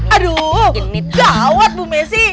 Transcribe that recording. aduh gawat bu messi